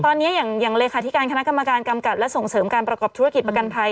ตอนนี้อย่างเลขาธิการคณะกรรมการกำกับและส่งเสริมการประกอบธุรกิจประกันภัย